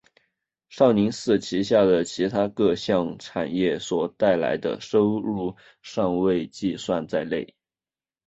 少林寺旗下的其它各项产业所带来的收入尚未计算在内。